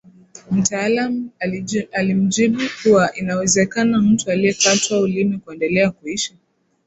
Mtaalamu alimjibu kuwa inawezekana mtu aliyekatwa ulimi kuendelea kuishi